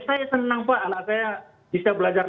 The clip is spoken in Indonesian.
saya senang pak anak saya bisa belajar